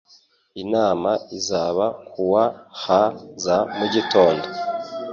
Inama izaba kuwa h za mugitondo.